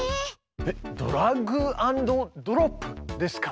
えっドラッグアンドドロップですか？